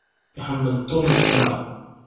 Iḥemmel Tom ccna.